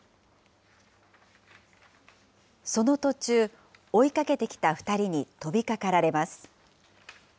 その途中、追いかけてきた２人に飛びかかられます。